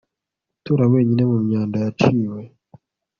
Gutura wenyine mumyanda yaciwe